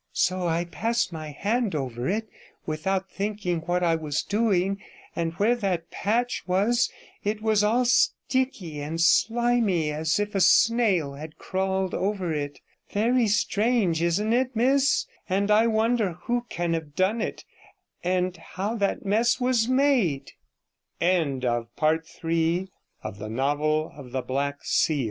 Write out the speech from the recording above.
So I passed my hand over it, without thinking what I was doing, and where that patch was it was all sticky and slimy, as if a snail had crawled over it. Very strange, isn't it, miss? and I wonder who can have done it, and how that mess was made.' 68 The well meant gabble of the servant touched me to the